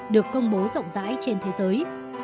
được công bố rộng rãi trên thế giới